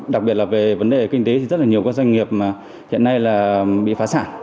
đặc biệt là về vấn đề kinh tế rất nhiều doanh nghiệp hiện nay bị phá sản